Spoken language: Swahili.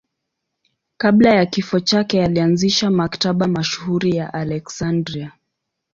Kabla ya kifo chake alianzisha Maktaba mashuhuri ya Aleksandria.